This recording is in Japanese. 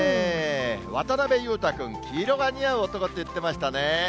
渡辺裕太君、黄色が似合う男って言ってましたね。